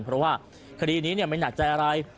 เพราะว่าคดีนี้ไม่หนักใจอะไร